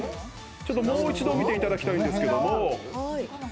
もう一度見ていただきたいんですけど。